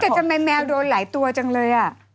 แต่ทำไมแมวโดนหลายตัวจังเลย